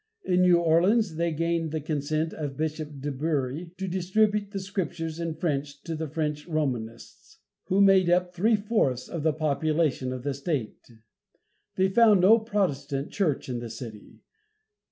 In New Orleans they gained the consent of Bishop DeBury to distribute the Scriptures in French to the French Romanists, who made up three fourths of the population of the state. They found no Protestant church in the city.